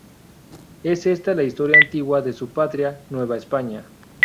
Es esta la historia antigua de su patria, Nueva España.